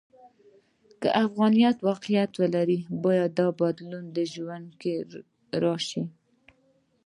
که افغانیت واقعیت ولري، باید دا بدلون د ژوند کې راشي.